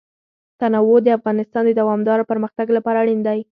تنوع د افغانستان د دوامداره پرمختګ لپاره اړین دي.